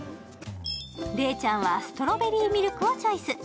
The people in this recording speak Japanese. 礼ちゃんはストロベリーミルクをチョイス。